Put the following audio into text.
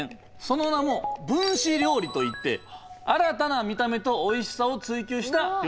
その名も分子料理といって新たな見た目とおいしさを追求した料理なんですね。